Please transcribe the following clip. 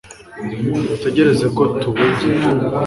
mutegereze ko tubegera'